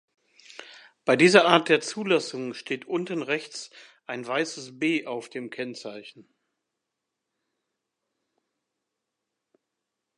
Bei dieser Art der Zulassung steht unten rechts ein weißes „B“ auf dem Kennzeichen.